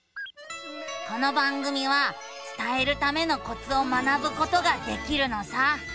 この番組は伝えるためのコツを学ぶことができるのさ。